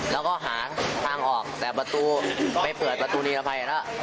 แล้วก็หาทางออกแต่ประตูไปเปิดประตูนิรภัยแล้ว